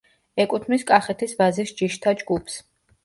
ეკუთვნის კახეთის ვაზის ჯიშთა ჯგუფს.